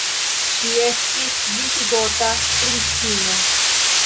Ŝi estis visigota princino.